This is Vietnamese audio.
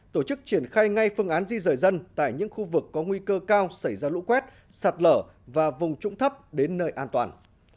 tổ chức triển khai ngay phương án di rời dân tại những khu vực có nguy cơ cao xảy ra lũ quét sạt lở và vùng trũng thấp đến nơi an toàn